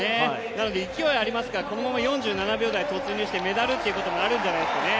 なので、勢いありますからこのまま４７秒台突入して、メダルということもあるんじゃないですかね。